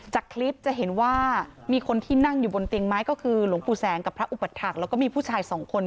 จากคลิปจะเห็นว่ามีคนที่นั่งอยู่บนเตียงไม้ก็คือหลวงปู่แสงกับพระอุปถักษ์แล้วก็มีผู้ชายสองคน